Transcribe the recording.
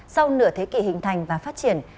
sau nửa thế kỷ hình thành và phát triển